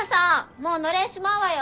もうのれんしまうわよ。